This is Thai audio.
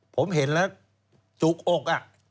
ผมเห็นแล้วจุกอก